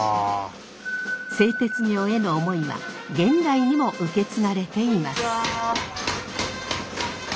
製鉄業への思いは現代にも受け継がれています。